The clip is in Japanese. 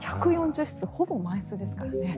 １４０室ほぼ満席ですからね。